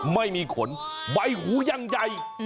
ไม่มีขนใบหูยังใหญ่